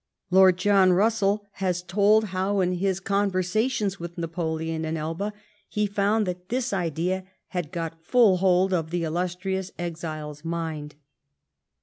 Lord John Russell has told how, in his conversations with Napoleon in Elba, he found that this idea had got full hold of the illustrious exile's mind.